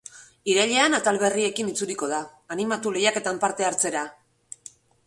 Irailean atal berriekin itzuliko da, animatu lehiaketan parte hartzera!